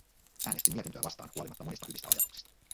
Äänestin mietintöä vastaan huolimatta monista hyvistä ajatuksista.